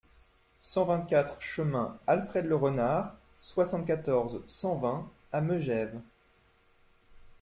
cent vingt-quatre chemin Alfred Le Renard, soixante-quatorze, cent vingt à Megève